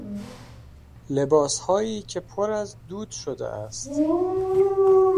لباسهایی که پر از دود شده است